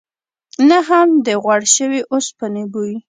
نه هم د غوړ شوي اوسپنې بوی.